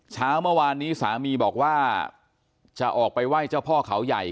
เช้าเมื่อวานนี้สามีบอกว่าจะออกไปไหว้เจ้าพ่อเขาใหญ่